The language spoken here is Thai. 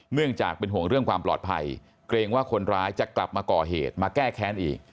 เนื่องจากเป็นห่วงเรื่องความปลอดภัยเกรงว่าคนร้ายจะกลับมาก่อเหตุมาแก้แค้นอีก